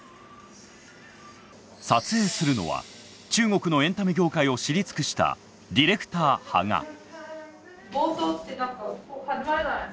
撮影するのは中国のエンタメ業界を知り尽くしたディレクター羽賀。